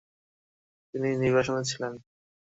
তিনি নির্বাসনে ছিলেন।